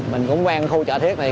mình cũng quen khu chợ thiết này